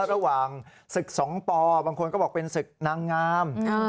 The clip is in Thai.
ระหว่างศึก๒ปบางคนก็บอกเป็นศึกนางงาม